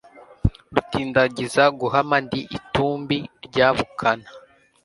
Rudindagiza guhama ndi itumbi rya bukana